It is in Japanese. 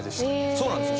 そうなんですよ。